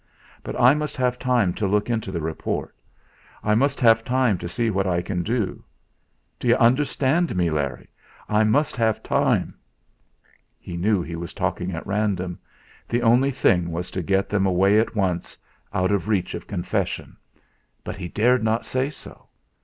But I must have time to look into the report. I must have time to see what I can do. D'you understand me, Larry I must have time." He knew he was talking at random. The only thing was to get them away at once out of reach of confession; but he dared not say so.